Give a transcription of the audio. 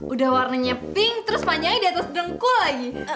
udah warnanya pink terus panjangnya di atas dengkul lagi